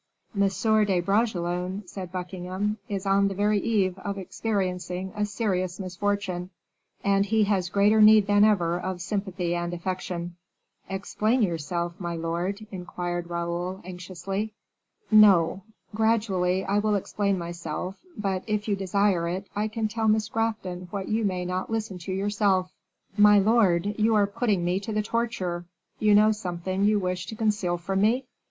"M. de Bragelonne," said Buckingham, "is on the very eve of experiencing a serious misfortune, and he has greater need than ever of sympathy and affection." "Explain yourself, my lord," inquired Raoul, anxiously. "No; gradually I will explain myself; but, if you desire it, I can tell Miss Grafton what you may not listen to yourself." "My lord, you are putting me to the torture; you know something you wish to conceal from me?"